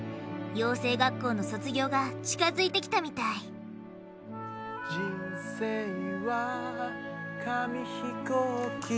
養成学校の卒業が近づいてきたみたい「人生は紙飛行機」